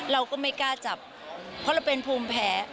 เราก็ไม่กล้าจับเพราะเราเป็นภูมิแพ้